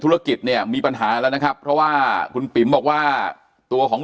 ธุรกิจเนี่ยมีปัญหาแล้วนะครับเพราะว่าคุณปิ๋มบอกว่าตัวของ